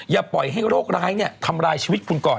อย่าปล่อยให้โรคร้ายทำร้ายชีวิตคุณก่อน